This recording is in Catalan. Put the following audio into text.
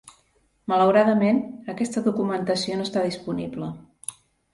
Malauradament, aquesta documentació no està disponible.